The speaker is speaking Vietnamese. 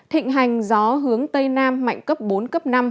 thịnh hành gió hướng tây nam mạnh cấp bốn cấp năm